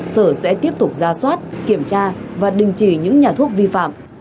sở sẽ tiếp tục ra soát kiểm tra và đình chỉ những nhà thuốc vi phạm